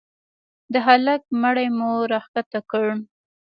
د هلك مړى مو راكښته كړ.